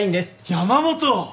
山本！